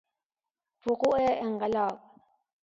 وقوع انقلاب